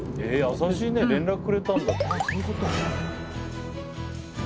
優しいね連絡くれたんだ。